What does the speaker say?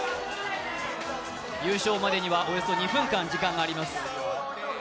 優勝までにはおよそ２分間時間があります。